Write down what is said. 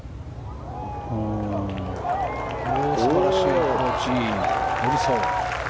素晴らしいアプローチ。